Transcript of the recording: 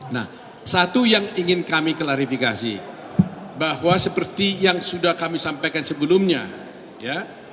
nah satu yang ingin kami klarifikasi bahwa seperti yang sudah kami sampaikan sebelumnya ya